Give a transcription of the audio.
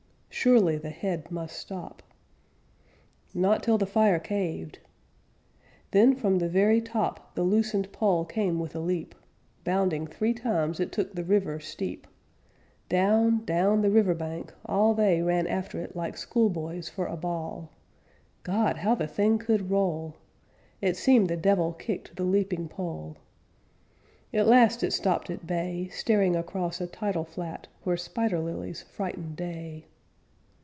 Surely the head must stop Not till the fire caved! Then from the very top The loosened poll came with a leap, Bounding three times, it took the river steep; Down, down the river bank all they Ran after it like school boys for a ball. God! How the thing could roll! It seemed the devil kicked the leaping poll. At last it stopped at bay, Staring across a tidal flat, Where spider lilies frightened day.